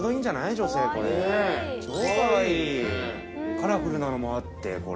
カラフルなのもあってこれ。